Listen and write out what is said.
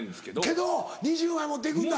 けど２０枚持っていくんだ。